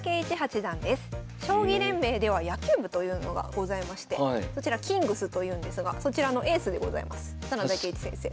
将棋連盟では野球部というのがございましてキングスというんですがそちらのエースでございます真田圭一先生。